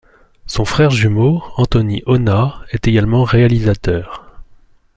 Son frère jumeau, Anthony Onah, est également réalisateur.